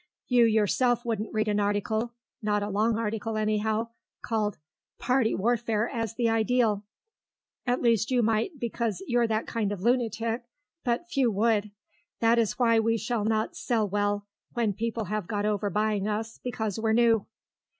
You yourself wouldn't read an article not a long article, anyhow called 'Party Warfare as the Ideal.' At least you might, because you're that kind of lunatic, but few would. That is why we shall not sell well, when people have got over buying us because we're new."